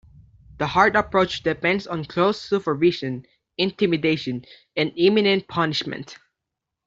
The hard approach depends on close supervision, intimidation, and imminent punishment.